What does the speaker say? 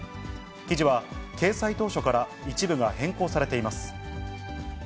記事は、掲載当初から一部が変更されています。